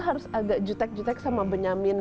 harus agak jutek jutek sama benyamin